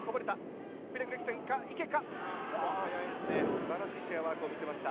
すばらしいチェアワークを見せました。